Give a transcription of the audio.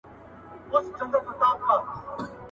چي خوله ئې راکړې ده، رزق هم راکوي.